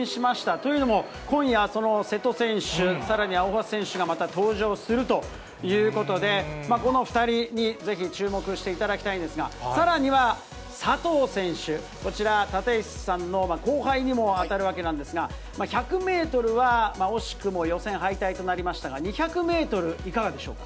というのも、今夜、その瀬戸選手、さらに大橋選手がまた登場するということで、この２人にぜひ注目していただきたいんですが、さらには佐藤選手、こちら、立石さんの後輩にも当たるわけなんですが、１００メートルは惜しくも予選敗退となりましたが、２００メートルいかがでしょうか。